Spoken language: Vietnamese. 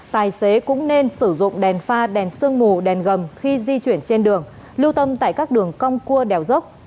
tài xế cũng nên sử dụng đèn pha đèn sương mù đèn gầm khi di chuyển trên đường lưu tâm tại các đường cong cua đèo dốc